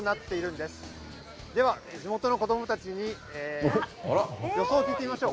では、地元の子どもたちに予想を聞いてみましょう。